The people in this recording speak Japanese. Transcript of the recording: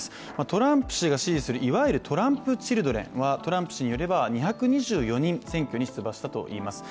トランプ氏が支持するいわゆるトランプチルドレンはトランプ氏によると２２４人、選挙に出馬したといいます。